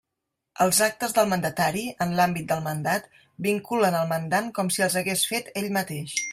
Els actes del mandatari, en l'àmbit del mandat, vinculen el mandant com si els hagués fet ell mateix.